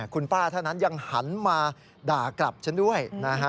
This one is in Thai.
คุณป้าท่านนั้นยังหันมาด่ากลับฉันด้วยนะฮะ